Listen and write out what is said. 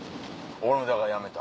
俺もだからやめた。